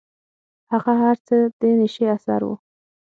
هغه هر څه د نيشې اثر و.